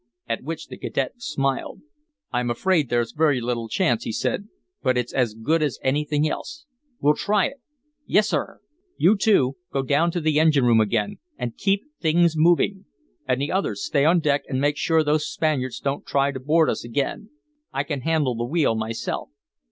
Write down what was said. At which the cadet smiled. "I'm afraid there's very little chance," he said. "But it's as good as anything else. We'll try it." "Yes, sir." "You two go down to the engine room again, and keep things moving. And the others stay on deck and make sure those Spaniards don't try to board us again. I can handle the wheel myself."